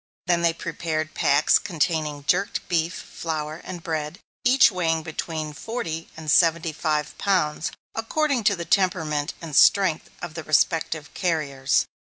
Then they prepared packs containing jerked beef, flour, and bread, each weighing between forty and seventy five pounds, according to the temperament and strength of the respective carriers.